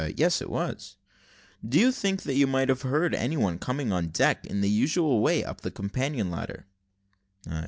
"Yes, it was." "Do you think that you might have heard any one coming on deck, in the usual way, up the companion ladder?"